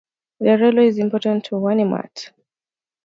The railway is important to Wainwright.